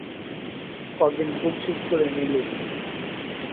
কদিন খুব সুখ করে নিলি!